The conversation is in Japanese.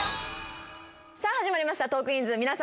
さあ始まりました『トークィーンズ』皆さん